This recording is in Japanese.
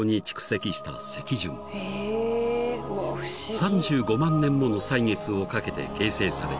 ［３５万年もの歳月をかけて形成された］